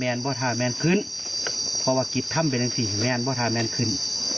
แม่นบ่ถ้าแม่นขึ้นเพราะว่ากิจทำเป็นที่แม่นบ่ถ้าแม่นขึ้น